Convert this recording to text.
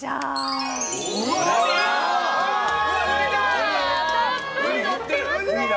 ウニがたっぷりのってますね！